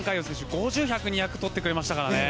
５０、１００、２００をとってくれましたからね。